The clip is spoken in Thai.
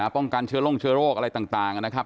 ป้องกันเชื้อโรคเชื้อโรคอะไรต่างนะครับ